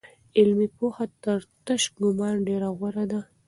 علمي پوهه تر تش ګومان ډېره غوره ده.